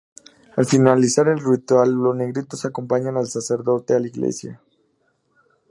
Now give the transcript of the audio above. Al finalizar el ritual, los "negritos" acompañan al sacerdote a la iglesia.